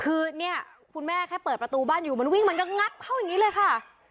คือเนี่ยคุณแม่แค่เปิดประตูบ้านอยู่มันวิ่งมันก็งัดเข้าอย่างนี้เลยค่ะ